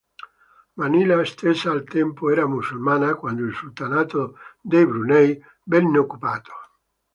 Manila stessa al tempo era musulmana quando il Sultanato del Brunei venne occupato.